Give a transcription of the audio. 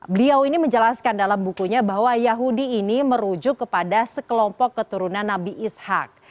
beliau ini menjelaskan dalam bukunya bahwa yahudi ini merujuk kepada sekelompok keturunan nabi ishak